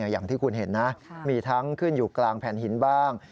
อย่างที่คุณเห็นนะมีทั้งขึ้นอยู่กลางแผ่นหินบ้าง